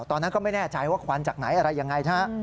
ตอนนั้นก็ไม่แน่ใจว่าควันจากไหนอะไรยังไงนะฮะ